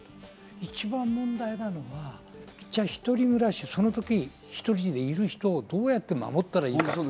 一番問題なのはじゃあ１人暮らし、その時１人でいる人をどうやって守ったらいいか。